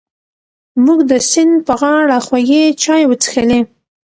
موږ د سیند په غاړه خوږې چای وڅښلې.